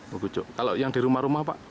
bekucuk kalau yang di rumah rumah pak